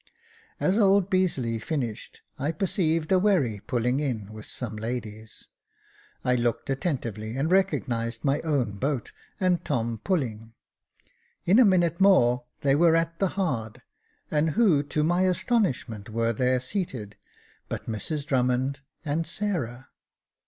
As old Beazeley finished, I perceived a wherry pulling in with some ladies. I looked attentively, and recognised my own boat, and Tom pulling. In a minute more they were at the hard, and who, to my astonishment, were there seated, but Mrs Drummond and Sarah.